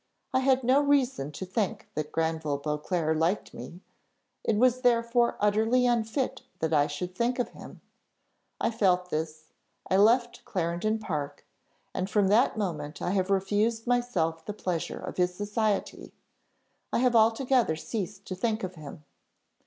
I had no reason to think that Granville Beauclerc liked me; it was therefore utterly unfit that I should think of him: I felt this, I left Clarendon Park, and from that moment I have refused myself the pleasure of his society, I have altogether ceased to think of him.